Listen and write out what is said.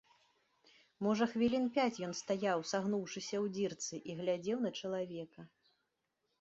Можа хвілін пяць ён стаяў, сагнуўшыся ў дзірцы, і глядзеў на чалавека.